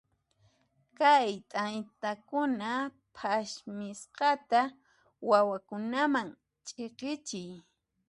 Kay t'antakuna phasmisqata wawakunaman ch'iqichiy.